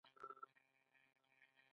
د روغتیا او ځواک میوو کور.